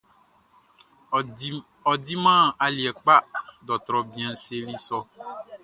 Ɔ diman aliɛ kpa, dɔrtrɔ bianʼn seli sɔ.